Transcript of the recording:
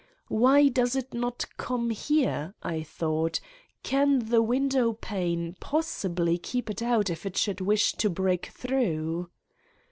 Why does it not come here, I thought: can the window pane possibly keep it out if it should wish to break through?